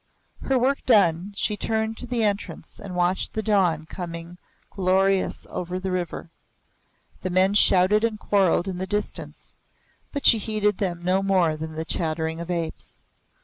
Her work done, she turned to the entrance and watched the dawn coming glorious over the river. The men shouted and quarreled in the distance, but she heeded them no more than the chattering of apes.